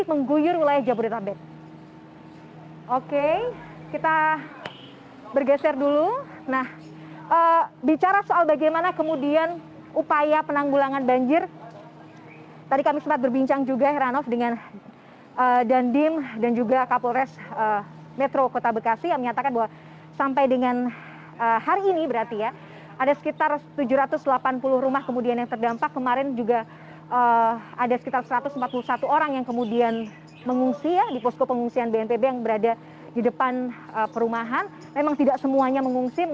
pondok gede permai jatiasi pada minggu pagi